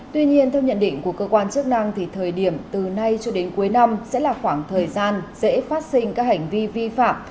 tuy nhiên theo nhận định của cơ quan chức năng thì thời điểm từ nay cho đến cuối năm sẽ là khoảng thời gian dễ phát sinh các hành vi vi phạm